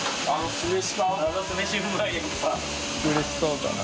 うれしそうだな。